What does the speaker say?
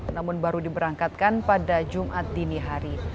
namun baru diberangkatkan pada jumat dini hari